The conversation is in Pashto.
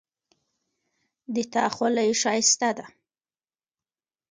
د تا خولی ښایسته ده